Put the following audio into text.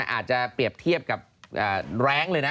อาจจะเปรียบเทียบกับแรงเลยนะ